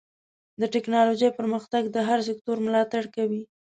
د ټکنالوجۍ پرمختګ د هر سکتور ملاتړ کوي.